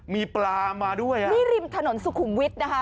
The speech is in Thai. มีปลามาด้วยอ่ะนี่ริมถนนสุขุมวิทย์นะคะ